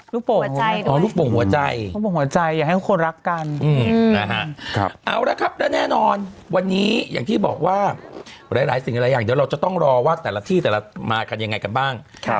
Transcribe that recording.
โป่งอ๋อลูกโป่งหัวใจลูกโป่งหัวใจอยากให้ทุกคนรักกันนะฮะเอาละครับและแน่นอนวันนี้อย่างที่บอกว่าหลายสิ่งหลายอย่างเดี๋ยวเราจะต้องรอว่าแต่ละที่แต่ละมากันยังไงกันบ้าง